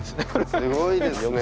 すごいですね。